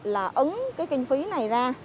là ứng cái kinh phí này ra